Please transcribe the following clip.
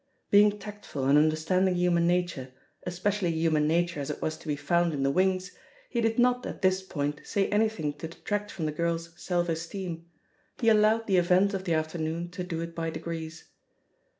Being tactful and understanding human nature, espe cially human nature as it was to be found in the \vings, he did not at this point say anything to detract from the girl's self esteem; he allowed the events of the afternoon to do it by degrees.